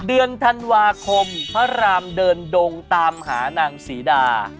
เดือนธันวาคมพระรามเดินดงตามหานางศรีดา